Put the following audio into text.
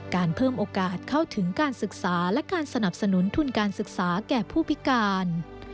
การเพิ่มโอกาสเข้าถึงการศึกษาและการสนับสนุนทุนการศึกษาแก่ผู้พิการ